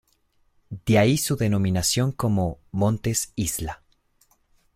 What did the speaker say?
De ahí su denominación como montes-isla.